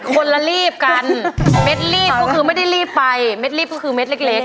คนละรีบกันเม็ดรีบก็คือไม่ได้รีบไปเด็ดรีบก็คือเม็ดเล็กเล็ก